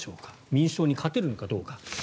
民主党に勝てるのかどうか。